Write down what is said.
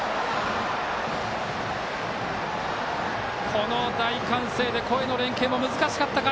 この大歓声で声の連係も難しかったか。